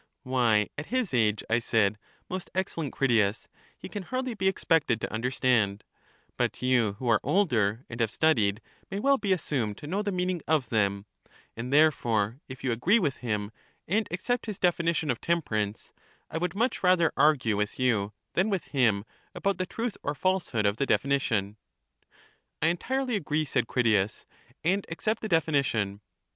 Why, at his age, I said, most excellent Critias, he can hardly be expected to understand ; but you, who are older, and have studied, may well be assumed to know the meaning of them; and therefore, if you agree with him, and accept his definition of tem perance, I would much rather argue with you than with him about the truth or falsehood of the definition. I entirely agree, said Critias, and accept the defi nition.